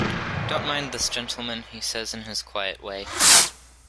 "Don't mind this gentleman," he says in his quiet way.